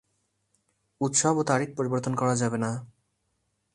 উৎসব ও তারিখ পরিবর্তন করা যাবে না।